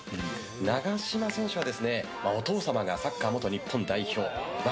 永島選手はお父様がサッカー元日本代表。